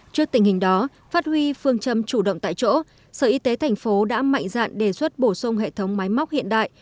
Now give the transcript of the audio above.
trước tình hình đó phát huy phương châm chủ động tại chỗ sở y tế thành phố đã mạnh dạn đề xuất bổ sung hệ thống máy móc hiện đại